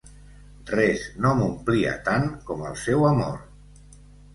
Res no m'omplia tant com el seu amor.